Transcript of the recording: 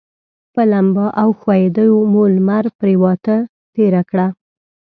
په لمبا او ښویندیو مو لمر پرېواته تېره کړه.